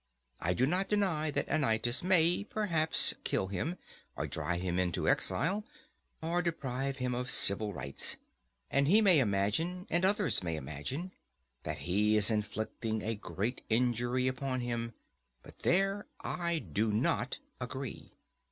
I do not deny that Anytus may, perhaps, kill him, or drive him into exile, or deprive him of civil rights; and he may imagine, and others may imagine, that he is inflicting a great injury upon him: but there I do not agree.